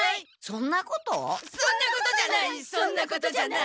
そんなことじゃないそんなことじゃない。